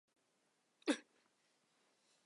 翅膀黑色。